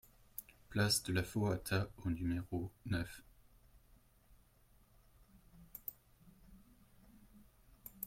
Place de la Foata au numéro neuf